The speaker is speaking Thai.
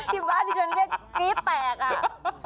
หิบบ้าที่ชนเรียกกรี๊ดแตก